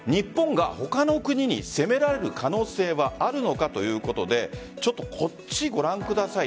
日本が他の国に攻められる可能性はあるのかということでこちらをご覧ください。